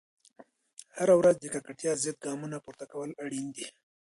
هره ورځ د ککړتیا ضد ګامونه پورته کول اړین دي.